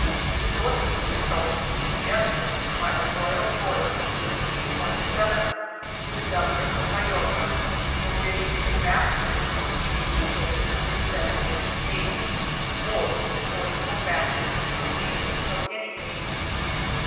The source of these troubles is suggested by a royal order of 1327 to the Governor of Majorca, forbidding the baptism of Jewish children under seven years of age or the forcible baptism of Jews of any age.